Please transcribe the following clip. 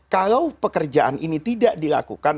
kalau pekerjaan ini tidak dilakukan